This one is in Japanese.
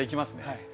はい。